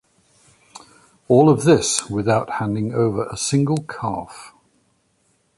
All of this, without handing over a single calf.